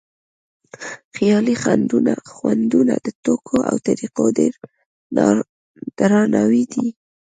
خیالي خنډونه د توکو او طریقو ډېر درناوی دی.